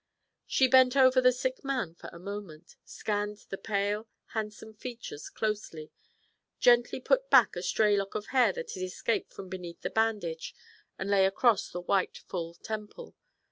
She bent over the sick man for a moment, scanned the pale, handsome features closely, gently put back a stray lock of hair that had escaped from beneath the bandage and lay across the white full temple.